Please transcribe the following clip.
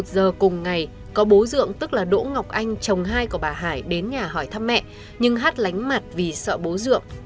một giờ cùng ngày có bố dưỡng tức là đỗ ngọc anh chồng hai của bà hải đến nhà hỏi thăm mẹ nhưng hát lánh mặt vì sợ bố ruộng